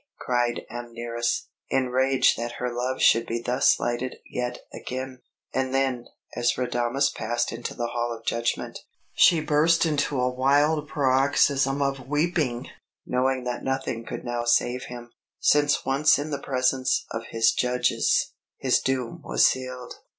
cried Amneris, enraged that her love should be thus slighted yet again; and then, as Radames passed into the Hall of Judgment, she burst into a wild paroxysm of weeping, knowing that nothing could now save him, since once in the presence of his judges, his doom was sealed.